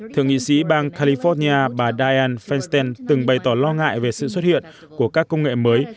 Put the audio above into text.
thượng nghị sĩ bang california bà dayan fengston từng bày tỏ lo ngại về sự xuất hiện của các công nghệ mới